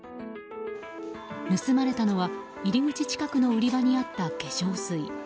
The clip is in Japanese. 盗まれたのは、入り口近くの売り場にあった化粧水。